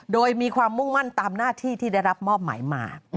โดยมีความมุ่งมั่นตามหน้าที่ที่ได้รับมอบหมายมา